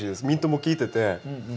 ミントも利いてて。